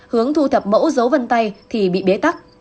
hướng thu thập mẫu dấu vân tay thì bị bế tắc